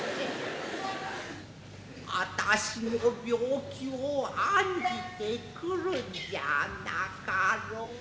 あたしの病気を案じて来るんじゃなかろう。